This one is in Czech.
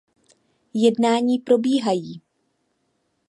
Jednání probíhají.